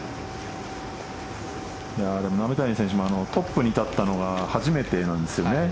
でも鍋谷選手もトップに立ったのが初めてなんですよね。